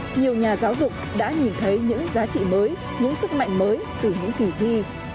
nhiều nhà giáo dục đã nhìn thấy những giá trị mới những sức mạnh mới từ những kỳ thi